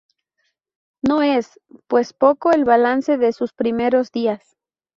No es, pues, poco el balance de sus primeros días.